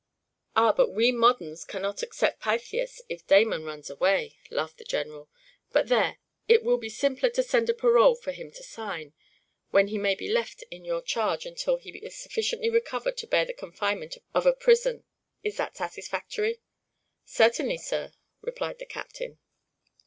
"Ah; but we moderns cannot accept Pythias if Damon runs away," laughed the general. "But, there; it will be simpler to send a parole for him to sign, when he may be left in your charge until he is sufficiently recovered to bear the confinement of a prison. Is that satisfactory?" "Certainly, sir," replied the captain.